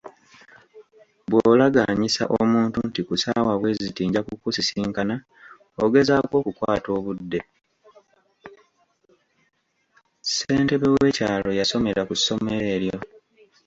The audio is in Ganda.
Ssentebe w'ekyalo yasomera ku ssomero eryo.